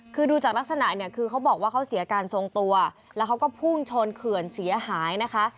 คือดูจากลักษณะเนี่ยคือเขาบอกว่าเขาเสียการทรงตัวแล้วเขาก็พุ่งชนเขื่อนเสียหายนะคะ